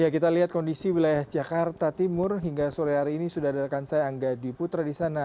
kita lihat kondisi wilayah jakarta timur hingga sore hari ini sudah ada rekan saya angga dwi putra di sana